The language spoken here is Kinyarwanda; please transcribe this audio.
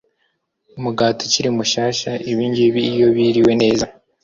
umugati ukiri mushyashya Ibingibi iyo biriwe neza